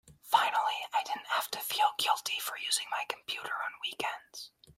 Finally I didn't have to feel guilty for using my computer on weekends.